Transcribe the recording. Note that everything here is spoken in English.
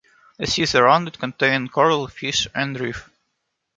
The seas around it contain coral, fish and reef.